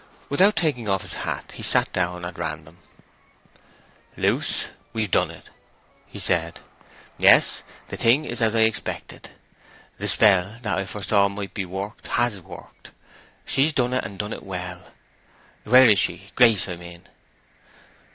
Without taking off his hat he sat down at random. "Luce—we've done it!" he said. "Yes—the thing is as I expected. The spell, that I foresaw might be worked, has worked. She's done it, and done it well. Where is she—Grace, I mean?"